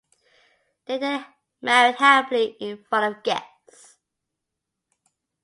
They then married happily in front of guests.